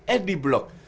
eh di blok